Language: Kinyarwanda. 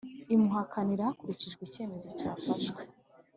imuhakanira hakurikijwe icyemezo cyafashwe